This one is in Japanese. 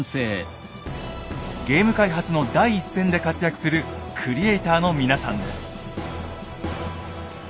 ゲーム開発の第一線で活躍するクリエーターの皆さんです。